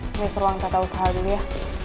nih ke ruang tata usaha dulu ya